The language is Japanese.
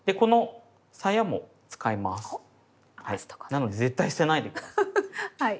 なので絶対捨てないで下さい。